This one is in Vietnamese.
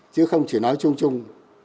chứ không chỉ nói chung chung